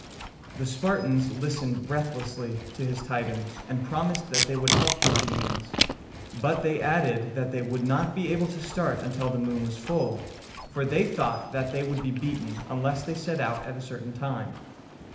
The Spartans listened breathlessly to his tidings, and promised that they would help the Athenians; but they added, that they would not be able to start until the moon was full, for they thought that they would be beaten unless they set out at a certain time.